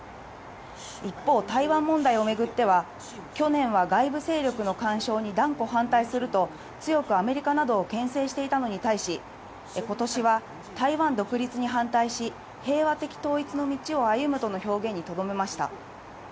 一方、台湾問題をめぐっては、去年は外部勢力の干渉に断固反対するなど強くアメリカなどを牽制していたのに対し、今年は台湾独立に反対し、平和的統一の道を歩むとの表現にとどめました。